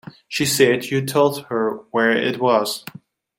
She said you told her where it was.